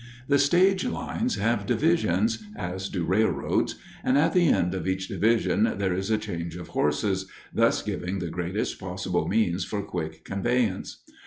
The stage lines have divisions, as do railroads, and at the end of each division there is a change of horses, thus giving the greatest possible means for quick conveyance.